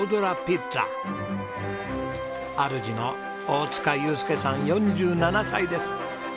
主の大塚祐介さん４７歳です。